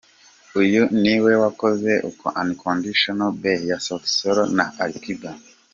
Uyu ni we wakoze ‘Unconditionally Bae’ ya Sauti Sol na Ali Kiba.